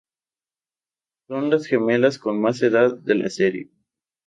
Son las gemelas con más edad de la serie.